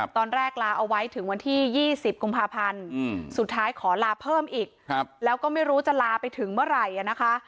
ตอนแรกลาเอาไว้ถึงวันที่๒๐กุมภาพันธ์สุดท้ายขอลาเพิ่มอีกแล้วก็ไม่รู้จะลาไปถึงเมื่อไหร่นะคะ